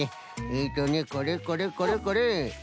えとねこれこれこれこれ。